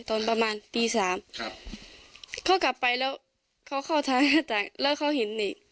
ตอนประมาณตีสามครับเขากลับไปแล้วเขาเข้าทางหน้าต่างแล้วเขาเห็นนี่